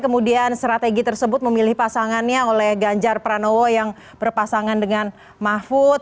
memilih pasangannya oleh ganjar pranowo yang berpasangan dengan mahfud